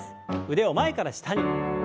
腕を前から下に。